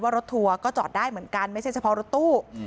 รถทัวร์ก็จอดได้เหมือนกันไม่ใช่เฉพาะรถตู้